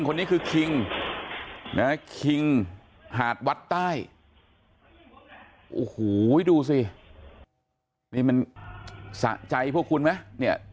คนนี้คือคิงหาดวัดใต้ดูซินี่มันสะใจพวกคุณไหม